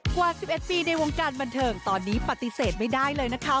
กว่า๑๑ปีในวงการบันเทิงตอนนี้ปฏิเสธไม่ได้เลยนะคะ